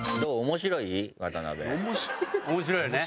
面白いね。